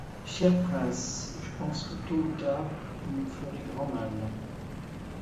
Cher prince, je pense que, tôt ou tard, vous nous ferez grand mal.